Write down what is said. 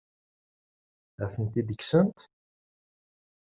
Ad tent-id-kksent?